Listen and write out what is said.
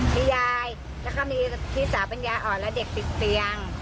มียายแล้วก็มีพี่สาวเป็นยายอ่อนและเด็กติดเตียง